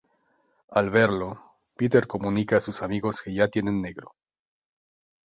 Al verlo, Peter comunica a sus amigos que ya tienen negro.